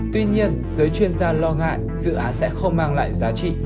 tuy nhiên giới chuyên gia lo ngại dự án sẽ không mang lại giá trị